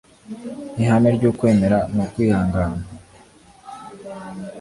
ihame ry'ukwemera ni ukwihangana. - george macdonald